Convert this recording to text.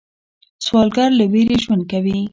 سوالګر له ویرې ژوند کوي